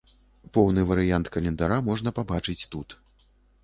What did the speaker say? Поўны варыянт календара можна пабачыць тут.